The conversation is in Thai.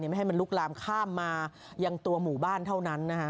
ไม่ให้มันลุกลามข้ามมายังตัวหมู่บ้านเท่านั้นนะฮะ